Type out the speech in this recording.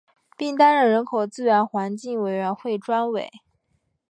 并担任人口资源环境委员会专委。